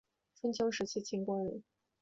春秋时期秦国人。